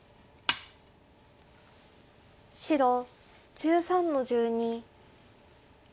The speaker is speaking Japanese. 白１３の十二。